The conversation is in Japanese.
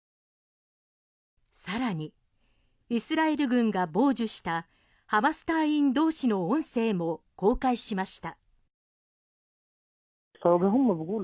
さらにイスラエル軍が傍受したハマス隊員同士の音声も公開しました。